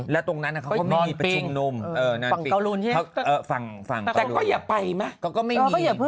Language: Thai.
เขาก็ไม่มี